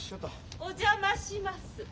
お邪魔します。